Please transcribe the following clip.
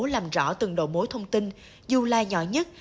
làm rõ từng đầu mối thông tin dù là nhỏ nhất